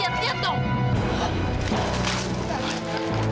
sampai ke tempat muamang